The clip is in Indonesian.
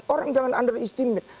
orang jangan underestimate